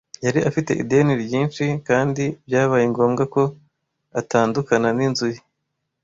Yari afite ideni ryinshi, kandi byabaye ngombwa ko atandukana n'inzu ye.